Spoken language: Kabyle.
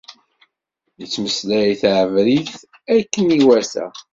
Yettmeslay taɛebrit akken iwata.